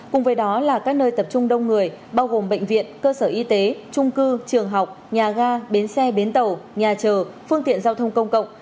cùng với đó là các nơi tập trung đông người bao gồm bệnh viện cơ sở y tế trung cư trường học nhà ga bến xe bến tàu nhà chờ phương tiện giao thông công cộng